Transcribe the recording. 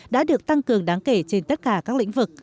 đã được tăng cường đáng kể trên tất cả các lĩnh vực